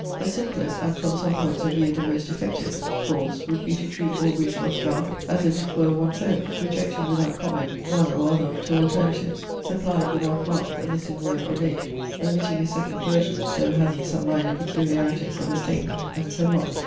The simplest, and, from some points of view, the most effective, course would be to treat Aubrey's rough draft as if it were one's own, rejecting (without comment) one or other of two alternatives, supplying (without mark) a missing word or date, omitting a second version (though having some minor peculiarities) of a statement, and so on.